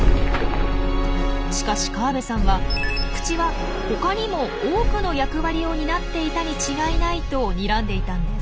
しかし河部さんは口は他にも多くの役割を担っていたに違いないとにらんでいたんです。